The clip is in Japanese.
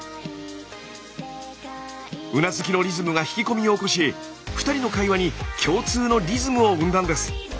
うなずきのリズムが引き込みを起こし２人の会話に共通のリズムを生んだんです。